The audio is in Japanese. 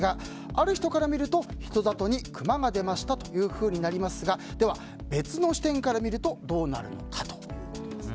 ある人から見ると人里にクマが出ましたというふうになりますがでは別の視点からみるとどうなるのか。